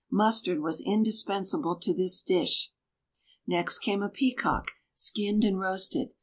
Mustard was indispensable to this dish. Next came a peacock, skinned and roasted.